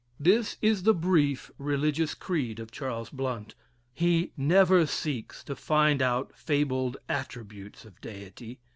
This is the brief religious creed of Charles Blount. He never seeks to find out fabled attributes of Deity.